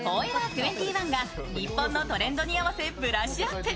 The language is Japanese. ２１が日本のトレンドに合わせブラッシュアップ。